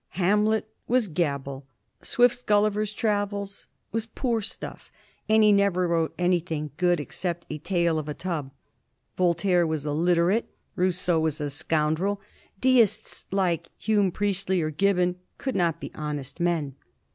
"Hamlet" was gabble. Swift's "Gulliver's Travels" was poor stuff, and he never wrote anything good except "A Tale of a Tub." Voltaire was illiterate. Rousseau was a scoundrel. Deists, like Hume, Priestley, or Gibbon, could not be honest men.